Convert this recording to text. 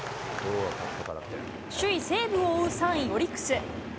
首位西武を追う３位オリックス。